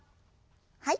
はい。